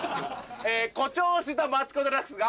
誇張したマツコ・デラックスが。